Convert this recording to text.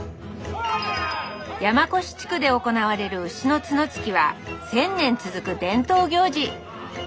山古志地区で行われる牛の角突きは１，０００年続く伝統行事